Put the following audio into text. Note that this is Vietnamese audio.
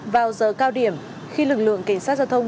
vào giờ cao điểm khi lực lượng cảnh sát giao thông